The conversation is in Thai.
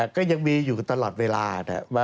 ก็ยังมีอยู่ตลอดเวลานะครับ